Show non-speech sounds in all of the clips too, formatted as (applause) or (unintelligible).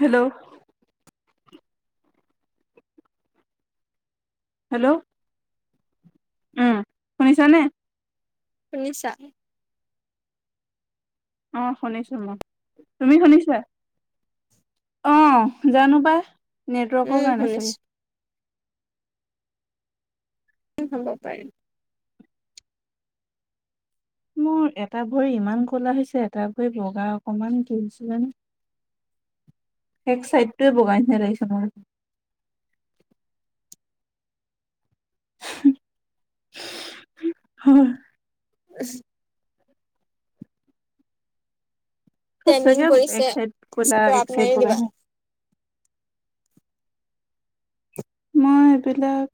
Hello hello um, শুনিছ নে? শুনিছা? অ শুনিছো মই। তুমি শুনিছা? অ জানো পাই নেটৱৰ্কৰ উম কাৰণে চাগে? শুনিছো কি হ'ব পাৰে (inaudible) মোৰ এটা ভৰি ইমান ক'লা হৈছে এটা ভৰি বগা অকমান, কি হৈছে জানো? এক চাইডটোয়ে বগা নিচিনা লাগিছে মোৰ। হয় (inaudible) (inaudible) ট্ৰেণ্ডিং সঁচাকে পৰিছে এক চাইড কলা স্ক্ৰাব এক চাইড মাৰি বগা দিবা। (unintelligible) মই এইবিলাক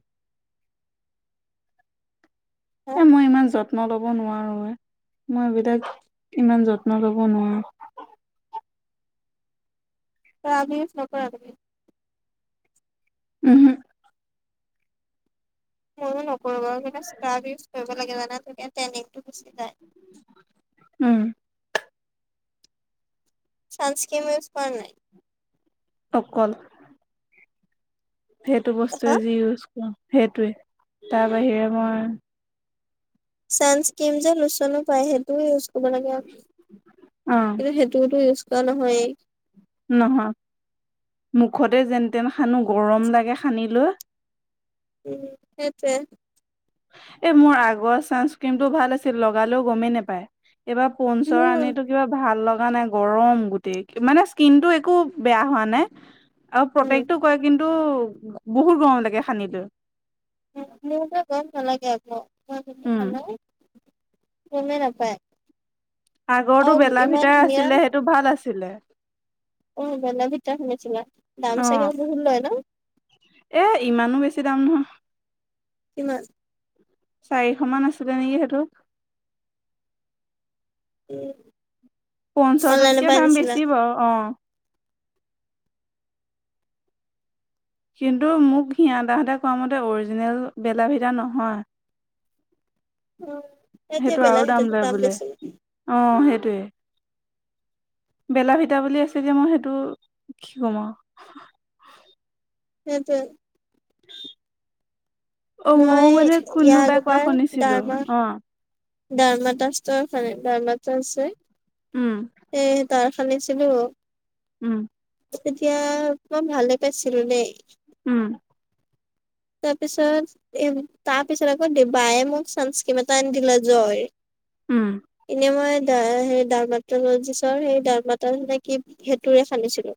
হা এ মই ইমান যত্ন ল'ব নোৱাৰো এ, মই এইবিলাক ইমান যত্ন ল'ব নোৱাৰো। ত আমিচ নকো আগমি (inaudible) উমহুম। ময়ো নকৰো বাৰু কিন্তু স্ক্ৰাব ইউজ কৰিব লাগে জানা তেতিয়া তেনিংটো গুচি যায়। উম। চানস্কিম ইউজ কৰা নে নাই? অকল সেইটো হা বস্তুৱে যি ইউজ কৰো সেইটোৱে, তাৰ বাহিৰে মই সানসক্ৰীম যে লুচনো পাই সেইটো ইউজ (unintelligible) অ কিন্তু সেইটোতো ইউজ কৰা নহয়েই। নহয় মুখতে যেনতেন সানো, গৰম লাগে সানি লৈ। উম সেইটোৱে। এ মোৰ আগৰ চানস্ক্ৰ্ৰীম টো ভাল আছিল লগালেও গমেই নোপায়, এইবাৰ পঞ্চৰ মোৰ অনিলো কিবা ভাল লগা নাই গৰম গোটেই মানে স্কিনটো একো বেয়া হোৱা নাই আৰু উম প্ৰত্যেকতটো কৰে, কিন্তু বহুত গৰম লাগে সানিলৈ। মোৰতো গৰম নালাগে আকৌ, মই যদি উম সানো গমেই নাপায়। আগৰটো আৰু ইমান বেলভিতাৰ ধুনীয়া আছিলে, সেইটো ভাল আছিলে। অ বেলাভিটা সানিছিলা, দাম অ চাগে বহুত লয় ন? এ ইমানো বেছি দাম নহয়। কিমান? চাৰিশ মান আছিলে নেকি সেইটো। (inaudible) অনলাইনৰ পঞ্চৰটোতকে পৰা দাম আনিছিলা বেছি বাও অ। কিন্তু মোক ঘিয়াদা হঁতে কোৱা মতে অৰিজিনেল বেলাভিটা নহয়। অ এতিয়া বেলাভিতাটো দাম বেছি নেকি? অঁ সেইটোৱে। বেলাভিটা বুলি আছে যে মই সেইটো কি কম আও। সেইটোৱে। অ মইও মই মানে ইয়াৰ কোনোবাই কোৱা শুনিছিলো অ। গাঢ়মাতা স্তৰ ফালে গাঢ়মাতা আছে উম এ তাৰ অনিছিলো উম। তেতিয়া মই ভালে পাইছিলো দেই। উম। (inaudible) তাৰ পিছত এ তাৰ পিছত আকৌ ডি বায়ে মোক চানস্কিন এটা আনি দিলে জয় উম এনেই মই দা হেৰি দাৰমাত্ৰালিজৰ সেই দাৰামা না কি সেইটোৰে খান্দিছিলো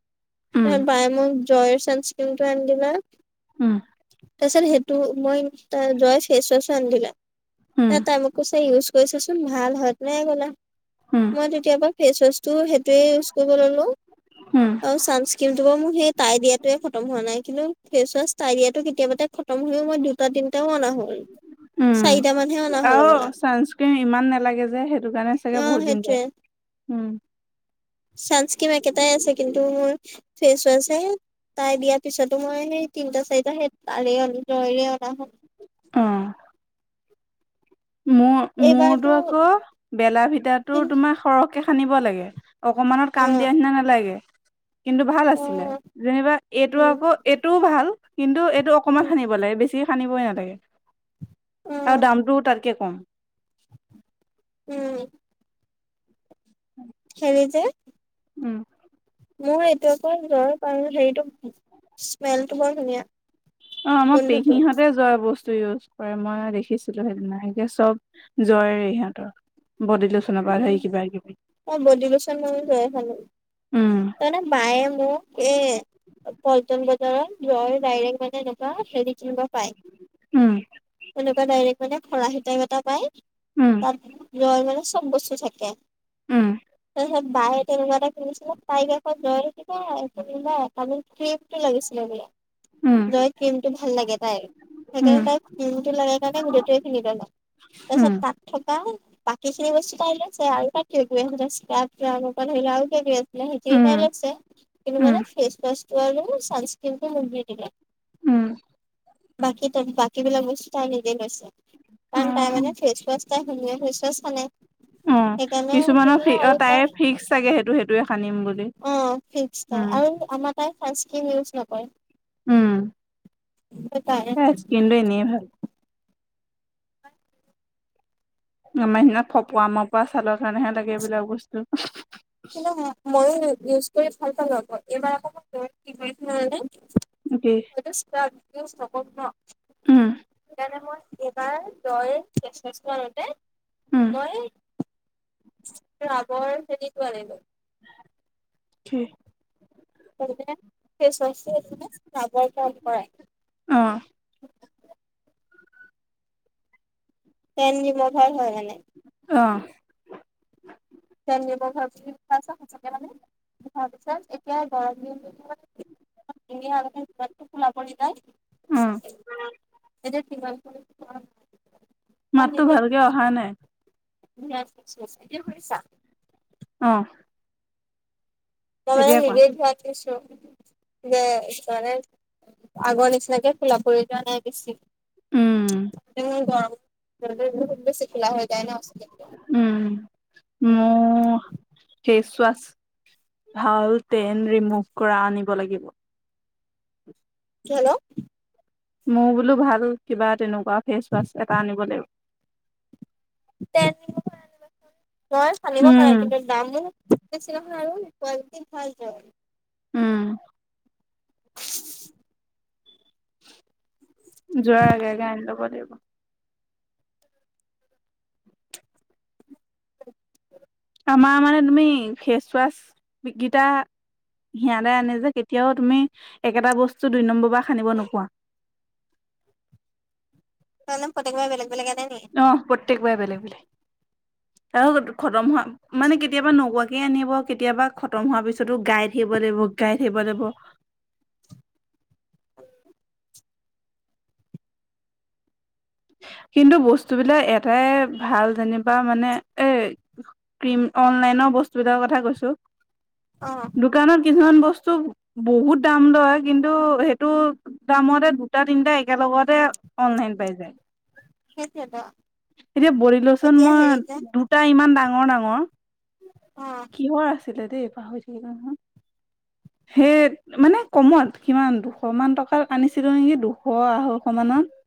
উম তাৰ পাছত বায়ে মোক জয়ৰ চান ক্ৰিমটো আনি দিলে উম তাৰপিছত সেইটো মই তাৰ জয় ফেচ ওৱাচো আনি উম দিলে তাই মোক কৈছে ইউজ কৰি ছা চোন ভাল হয় তেনেকে কলা উম মই তেতিয়াৰ পা ফেচৱাচটো সেইটোৱে ইউজ কৰিব ল'লো উম আও ছানস্ক্ৰীমটো বাওঁ মোৰ সেই তাই দিয়াতোৱে খতম হোৱা নাই কিন্তু ফেচ ৱাছ তাই দিয়াটো কেতিয়াবাতে খতম হৈও মই দুটা তিনিটাও আনা হল চাৰিটা মানহে অনা হল হবলা ছানস্ক্ৰীম ইমান নালাগে যে সেইটো কাৰণে চাগে অ বহুত দিন যায় সেইটোয়ে উম চানস্ক্ৰীম একেটাই আছে কিন্তু মোৰ ফেচ ৱাছহে তাই দিয়াৰ পিছতো মই সেই তিনটা চাৰিটা সেই তাৰেয়ন জয়ৰে অনা হ'ল অ মোৰ মোৰতো এইবাৰতো আকৌ বেলা ভিতাটো তোমাৰ সৰহকে হান্দিব লাগে। অকমানত অ কাম দিয়া নিচিনা নালাগে কিন্তু ভাল অ আছিলে যেনিবা এইটো উম আকৌ এইটোও ভাল কিন্তু টো অকমান উম সানিব লাগে বেছিকে সানিবই নালাগে অ আৰু দামটো তাতকে কম উম হেৰি যে উম মোৰ এইটোৰ আকৌ জ্বৰ কাৰ হেটো স্মেলটো বৰ ধুনীয়া অ আমাৰ গোন্ধটো পেহী হতে নিজৰ বস্তু ইউজ কৰে মই দেখিছিলো সেইদিনাকে চব জয়ৰে সিহঁতৰ বডি লোচ উম মই বদিলোচন মইয়ো লৈয়ে থাকো উম তাৰ মানে মায়ে মোক এ পল্টন বজাৰত লয় ডাইৰেক্ট মানে এনেকুৱা হেৰি কেনেকুৱা উম পায় এনেকুৱা ডাইৰেক্ট মানে ফৰাহি টাইপ এটা পায় উম জয় মানে চব বস্তু থাকে উম তাৰ পাছত বায়ে তেনেকুৱা এটা কিনিছিলে তাইক আকৌ জয় লৈ থাকি (unintelligible) ক্ৰম টো লৈ গৈছিলে বোলে উম জয়ৰ ক্ৰীমটো ভাল লাগে তাইৰ সেইকাৰণে তাই ক্ৰীমটো লগাই কাৰণে গোটেইটোৱে কিনি পেলায় উম তাৰপিছত তাত থকা সিখিনি বস্তু তাই লৈছে আৰু তাইক (unintelligible) সেইখিনি উম উম তাই লৈছে কিন্তু মানে উম ফেছৱাছ টো আৰু চান্সক্ৰীমটো মোক দি দিলে উম বাকী তে বাকী বিলাক বস্তু তাই নিজেই লৈছে অ কাৰণ তাই মানে ফেছৱাছ তাই শুনিয়াছ থৈছেচ মানে (unintelligible) অ সেইকাৰণে কিছুমানৰ ফি তেতিয়া অ আৰু তাইৰ তাই ফিক্স চাগে সেইটো সেইটোৱে সানিম বুলি অ ফিপ্তাই উম আৰু আমাৰ তাই চান্সক্ৰিম ইউজ নকৰে উম আৰু তাই কিন্তু এনেই ভাল আমাৰ সিনা ফপৱা মপৱা ছালৰ কাৰণেহে লাগে এইবিলাক বস্তু কিন্তু ময়ো ইউজ কৰি ভাল পালো আকৌ এইবাৰ আকৌ মই (unintelligible) কি কৰিম জানানে? অকে (unintelligible) উম মানে মই এইবাৰ তই ফেছৱাছ কৰা মতে উম ৰাবৰ খেতি কৰে নাই বাও ঠি সে সেই চাবৰ কাম কৰাই অ টেন ৰিমভাৰ হয় মানে অ তেন ৰিমভাৰ বুলি লিখা আছে সঁচাকে মানে ভাবিছা এতিয়া গৰম দিন মানে আগটো কুলা পৰি যাই উম এতিয়া ইমান মাততো নিদিয়ে ভালকে অহা নাই এতিয়া শুনিছা অ মই এতিয়া মানে কোৱা হেৰিট ভৰাই থৈছোঁ যে সইকাৰণে আগৰ নিচিনাকে ফিলাপ কৰি যোৱা নাই বেছি উম উম গৰম বহুত বেছি কোলা হৈ যায় ন উম মও ফেচ ৱাছ ভাল তেন ৰিমুভ কৰা আনিব লাগিব কি হেল অ মো বোলো ভাল কিবা তেনেকুৱা ফেচৱাছ এটা আনিব লাগিব তেন ৰিমভাৰ আনিব উম পাৰা কিন্তু দামো বেছি নহয় আৰু কোৱালটি ভালত উম যোৱাৰ আগে আগে আনি লব লাগিব আমাৰ মানে তুমি ফেচৱাছ বিক্ৰিতা হেয়াতে আনে যে কেতিয়াও তুমি একেটা বস্তু দুই নম্বৰ বাৰ খানিব নোপোৱা সেতুকাৰণে প্ৰত্যেক বাৰে বেলেগ বেলেগ আনে নি অ প্ৰত্যেক বাৰে বেলেগ বেলেগ আৰু খতম হোৱা মানে কেতিয়াবা নোকোৱাকে আনিব কেতিয়াবা খতম হোৱাৰ পিছতো গাই থাকিব লাগিব গাই থাকিব লাগিব (inaudible) কিন্তু বস্তুবিলাক এটাই ভাল যেনিবা মানে এই ক্ৰিম অনলাইনৰ বস্তুবিলাকৰ কথা কৈছোঁ অ দোকানত কিছুমান বস্তু বহুত দাম লয় কিন্তু সেইটো দামতে দুটা তিনটা একেলগতে অনলাইন পাই যায় সেইটোৱে ত এতিয়া বদিলোচোন মই দুটা ইমান ডাঙৰ ডাঙৰ অ কিহৰ আছিলে দেই পাহৰি থাকিলোঁ নহয় মানে কমত কিমান দুশ মান টকাত আনিছিলো নেকি দুশ আঢ়ৈশ মানত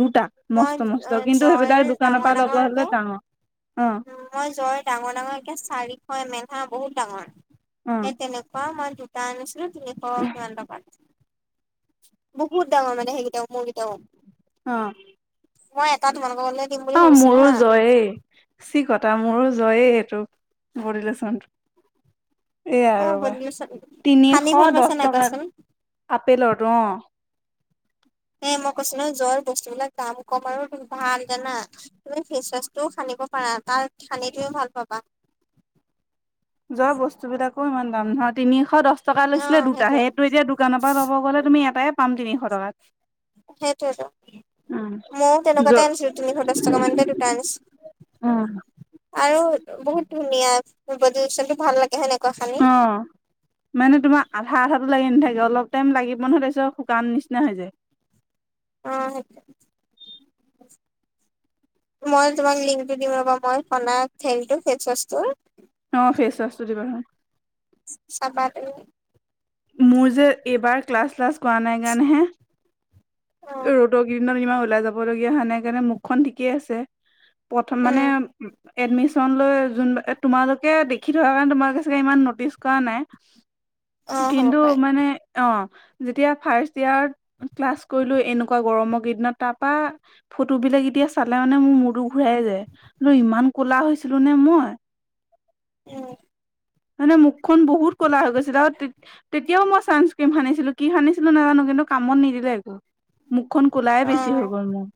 দুটা মই মস্ত মস্ত কিন্তু জয়ৰ সেইবিলাক দোকানৰ ডাঙৰ পৰা লব ডাঙৰ যে হলে ডাঙৰ অ মই জৰ ডাঙৰ ডাঙৰ কে চাৰিশ এম এল হা বহুত ডাঙৰ অ সেই তেনেকুৱা মই দুটা আনিছিলো তিনিশ কিমান টকাত বহুত ডাঙৰ মানে সেইকেইটাও, মোৰকেইটাও। অ মই এটা তোমালোকৰ গ'লে অ, মোৰো জয়েই চি কতা মোৰো জয়েই এইটো বডীলোচন। এয়া অ ৰবা! বলিউচন তিনিশ সানি ভাল দহ পাইছা নাই টকাত কোৱাচোন আপেলৰটো অ, হে মই কৈছো নহয় জৰ বস্তু বিলাক দামো ক'ম আৰু ভাল জানা। তুমি ফেচৱাচটোও সানিব পাৰা! তাৰ হানিতেও ভাল পাবা। জয় বস্তু বিলাকো ইমান দাম নহয় তিনিশ দহ টকা অ লৈছিলে দুটা। সেইটোৱে সেইটো এতিয়া দোকানৰ পৰা লব গ'লে তুমি এটাই পাম তিনিশ টকাত। সেইটোৱেটো। উম মও জ তেনেকুৱাতে আনিছিলোঁ তিনিশ দহ টকা মানতে দুটা আনিছোঁ। উম আৰু বহুত ধুনীয়া বডীলোচনটো ভাল লাগে হয় নাই? অঁ! মানে তোমাৰ আঠা- আঠাটো লাগি নাথাকে, অলপ টাইম লাগিব নহয় তাৰপিছত শুকান নিচিনা হৈ যায়। অ! মই তোমাক লিংকটো দিওঁ ৰবা! মই হনা হেৰিটো ফেচৱাচটোৰ। অ! ফেচৱাচটো দিবা চুন। চাবা দেই। মোৰ যে এইবাৰ ক্লাছ, শ্লাছ কৰা নাই কাৰণেহে। অ ৰ'দৰ কেইদিনত ইমান ওলাই যাবলগীয়া হোৱা নাই কাৰণে মুখখন ঠিকেই আছে। প্ৰথম, মানে উম এডমিছন লৈ যোন তোমালোকে দেখি থকা কাৰণে তোমালোকে চাগে ইমান ন'টিচ কৰা নাই। অ হ'ব কিন্তু পাৰে মানে অ' যেতিয়া ফাষ্ট ইয়েৰত ক্লাছ কৰিলো এনেকুৱা গৰমৰ কেইদিনত তাৰপা, ফটো বিলাক এতিয়া চালে মানে মোৰ মূৰতো ঘূৰাই যায়। বোলো ইমান কলা হৈছিলো নে মই! উম! মানে মুখখন বহুত ক'লা হৈ গৈছিলে। আৰু তে তেতিয়াও মই চানচক্ৰীম সানিছিলো কি সানিছিলো নাজানো? কিন্তু কামত নিদিলে একো। মুখখন কুলাই বেছি অ হৈ গ'ল মোৰ।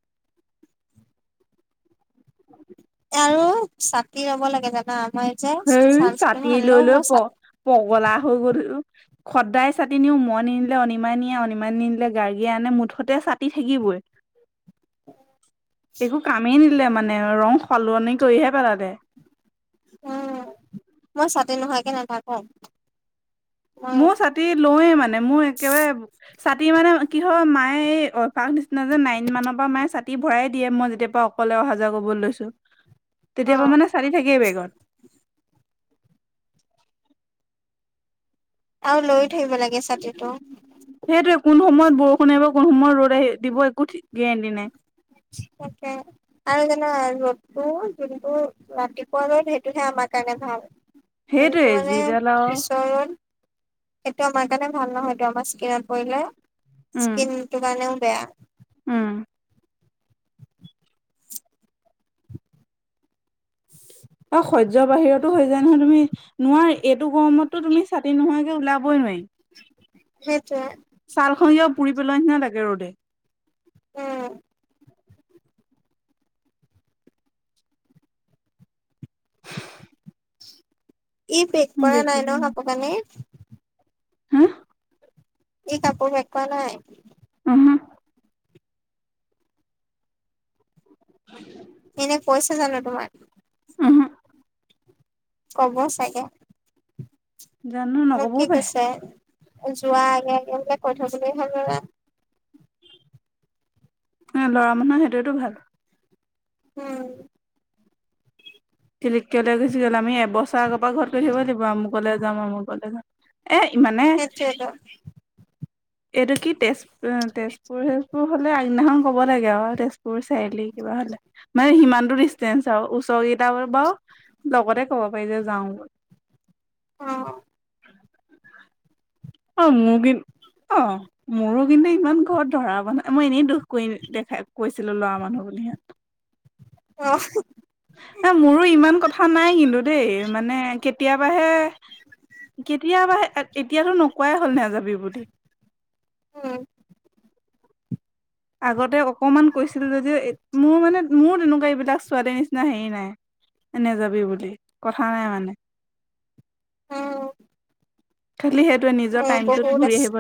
আৰু ছাতি ল'ব লাগে জানা! মই যে সেই চানচক্ৰীন ছাতি লৈ সানিলেও লৈ মই প ছাতি পগলা হৈ কৰি থৈছোঁ। সদায় ছাতি নিও। মই নিনিলে অনিমাই নিয়ে, অনিমাই নিনিলে গাৰ্গিয়ে আনে মুঠতে ছাতি থাকিবই। (unintelligible) একো কামেই নিদিলে মানে, ৰং সলনি কৰিহে পেলালে। উম! মই ছাতি নোহোৱাকে নথাকো। মোৰ ছাতি লওৱে মানে মোৰ একেবাৰে ছাতি মানে কি হয় মায়ে এই অভ্যাস নিচিনা যে, নাইন মানৰ পৰা মায়ে ছাতি ভৰাই দিয়ে মই যেতিয়া পৰা অকলে, অহা যোৱা কৰিবলৈ লৈছোঁ। (inaudible) তেতিয়াপা মানে, ছাতি থাকেই বেগত। আৰু লৈ থাকিব লাগে ছাতিটো। সেইটোৱে কোন সময়ত বৰষুণ এৰিব, কোন সময়ত ৰ'দ আহি দিব একো থিকে গেৰেণ্টি নাই। তাকে! আৰু জানা! ৰ'দটো যোনটো ৰাতিপুৱা ৰ'দ সেইটোহে আমাৰ কাৰণে ভাল। যোনটো সেইটোৱে মানে যিডাল আৰু পিছৰ ৰদ সেইটো আমাৰ কাৰণে ভাল নহয়টো, আমাৰ স্কিনত পৰিলে উম স্কিনটো কাৰণেও বেয়া। উম অ' সহ্য বাহিৰতো হৈ যায় নহয়, তুমি নোৱাৰি এইটো গৰমতো তুমি ছাতি নোহোৱা কে ওলাবই নোৱাৰি। সেইটোৱে। ছালখন কিবা পুৰি পেলোৱা নিচিনা লাগে ৰ'দে। উম ই পেক কৰা বেছি নাই ন কাপোৰ কানি। হা ই কাপোৰ পেক কৰা নাই? ওহো (unintelligible) এনে কৈছে জানো তোমাক? ওহো কব চাগে। জানো মোক নক'বও কি পাৰে কৈছে যোৱা আগে আগে বোলে কৈ থৈ গ'লে হল বোলে অ ল'ৰা মানুহৰ সেইটোৱেতো ভাল উম তিলিককে ওলাই গুচি গ'ল আমি এবছৰ আগৰ পৰা ঘৰত কৈ থাকিব লাগিব অমুকলে যাম আমুকলে যাম এ ইমানে সেইটো এইটো কি তেজ উম তেজপুৰহে তেজপুৰ হলে আগদিনাখন ক'ব লাগে আও তেজপুৰ চাৰিআলি কিবা হ'লে মানে সিমানতো ডিষ্টেঞ্চ আও ওচৰ কেইটাৰ বাৰু লগতে ক'ব পাৰি যে যাও অ অ মো কি অ মোৰো কিন্তু ইমান ঘৰত ধৰা বন্ধা নাই মই এনেই দুখ কৰি দেখা কৈছিলো লৰা মানুহ বুলি সিঁহত অ এ মোৰো ইমান কথা নাই কিন্তু দেই মানে কেতিয়াবাহে কেতিয়াবাহে এতিয়াতো নোকোৱাই হ'ল নেযাবি বুলি উম আগতে অকমান কৈছিল যদিও এ মোৰ মানে মোৰ তেনেকোৱা এইবিলাক ছোৱালীৰ নিচিনা হেৰি নাই নেযাবি বুলি কথা নাই মানে উম খালি সেইটোৱে নিজৰ মোৰ টাইমটোত বহুত ঘুৰি আছে আহিব